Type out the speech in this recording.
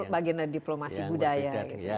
bagiannya diplomasi budaya